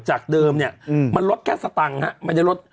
จากเดิมเนี่ยมันลดแค่สตังค์ฮะไม่ได้ลด